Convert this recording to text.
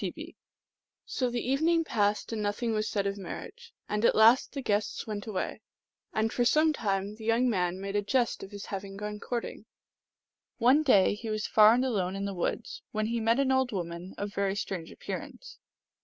T. B.) So the evening passed, and nothing was said of mar riage ; and at last the guests went away, and for some time the young man made a jest of his having gone courting. One day he was far and alone in the woods, when he met an old woman of very strange appear ance.